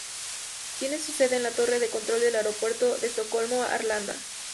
Tiene su sede en la torre de control del aeropuerto de Estocolmo-Arlanda.